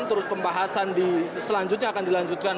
terus pembahasan di selanjutnya akan dilanjutkan